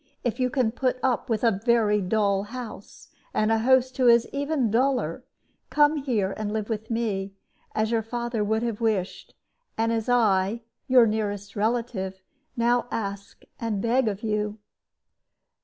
If you can put up with a very dull house, and a host who is even duller, come here and live with me, as your father would have wished, and as I, your nearest relative, now ask and beg of you."